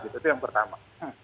itu yang pertama